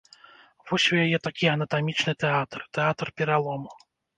Вось у яе такі анатамічны тэатр, тэатр пералому.